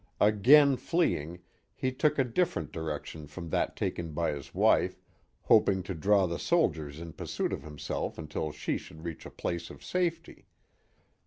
Again fleeing, he took a different direction from that taken by his wife, hoping to draw the soldiers in pursuit of himself until she should reach a place of safety.